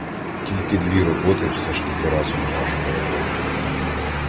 Тільки дві роботи все ж таки, разом важко робити.